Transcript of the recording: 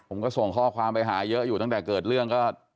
ผมก็ส่งข้อความไปหาเยอะอยู่ตั้งแต่เกิดเรื่องก็